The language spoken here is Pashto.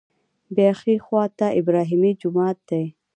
بیا ښي خوا ته ابراهیمي جومات دی.